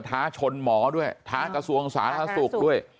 ตั้งหน้าตั้งตาเหรอเร็ว